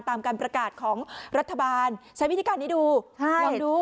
ตามการประกาศของรัฐบาลใช้วิธีการนี้ดูลองดู